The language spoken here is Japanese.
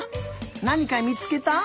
なにかみつけた？